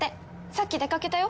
さっき出かけたよ。